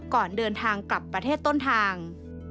ก่อนเดินทางกลับประเทศต้นทาง